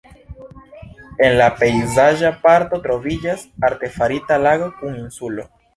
En la pejzaĝa parko troviĝas artefarita lago kun insulo.